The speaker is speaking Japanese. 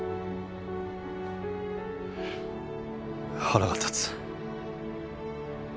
腹が立つ。